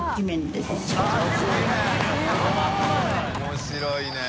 面白いね。